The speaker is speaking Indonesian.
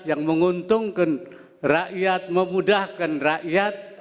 yang menguntungkan rakyat memudahkan rakyat